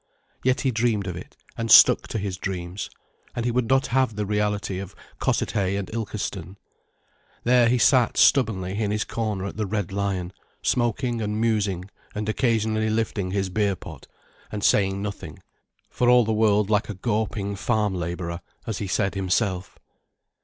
Yet he dreamed of it, and stuck to his dreams, and would not have the reality of Cossethay and Ilkeston. There he sat stubbornly in his corner at the "Red Lion", smoking and musing and occasionally lifting his beer pot, and saying nothing, for all the world like a gorping farm labourer, as he said himself.